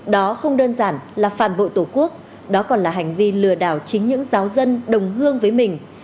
đó không đơn giản là phản bội tổ quốc đó còn là hành vi lừa đảo chính những giáo dân đồng hương với mình